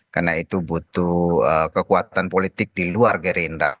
karena itu butuh kekuatan politik di luar gerindra